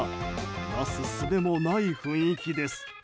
なすすべもない雰囲気です。